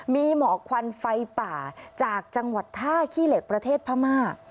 มีหมอกควันไฟป่าจากจังหวัดท่าขี้เหล็กประเทศพม่า